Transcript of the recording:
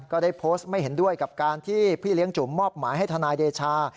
ก็ได้โพสต์ไม่เห็นด้วยกับการที่พี่เลี้ยงจุ๋มมอบหมายให้ทนายเดชา